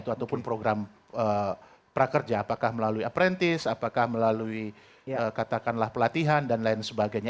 ataupun program prakerja apakah melalui aprintis apakah melalui katakanlah pelatihan dan lain sebagainya